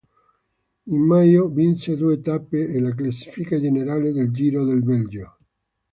In maggio vinse due tappe e la classifica generale del Giro del Belgio.